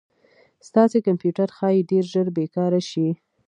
ستاسې کمپیوټر ښایي ډير ژر بې کاره شي